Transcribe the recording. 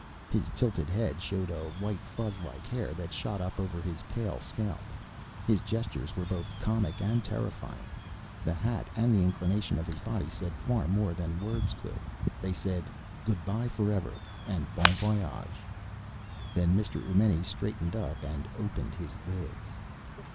His tilted head showed a white fuzzlike hair that shot up over his pale scalp. His gestures were both comic and terrifying. The hat and the inclination of his body said far more than words could. They said, Good by forever, and bon voyage! Then Mr. Eumenes straightened up and opened his lids.